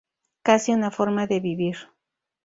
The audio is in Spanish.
Casi una forma de vivir.